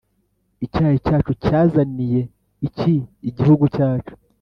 Icyayi cyacu cyazaniye iki igihugu cyacu?